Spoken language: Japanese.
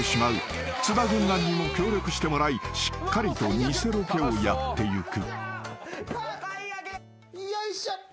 ［津田軍団にも協力してもらいしっかりと偽ロケをやっていく］